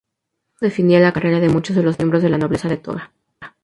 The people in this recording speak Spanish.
Esto definía la carrera de muchos de los miembros de la nobleza de toga.